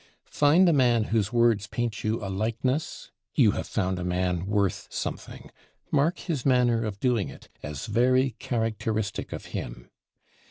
Find a man whose words paint you a likeness, you have found a man worth something; mark his manner of doing it, as very characteristic of him.